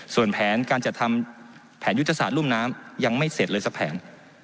ส่วนแผนการจัดทำแผนยุทธศาสตร์รุ่มน้ำยังไม่เสร็จเลยสักแผน